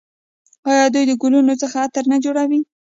آیا دوی د ګلونو څخه عطر نه جوړوي؟